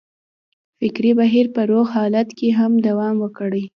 فکري بهیر په روغ حالت کې دوام وکړي.